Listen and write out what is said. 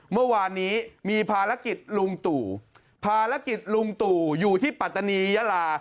เมื่อวานนี้มีภารกิจลุงตู่ภารกิจลุงตู่อยู่ที่ปัตตานียาลา